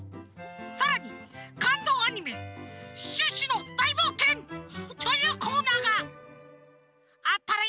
さらに「かんどうアニメシュッシュのだいぼうけん」というコーナーがあったらいいなとおもいます！